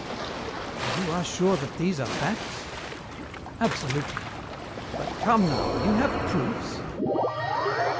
"And you are sure that these are facts?" "Absolutely." "But come now, you have proofs?"